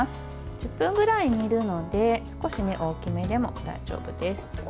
１０分ぐらい煮るので少し大きめでも大丈夫です。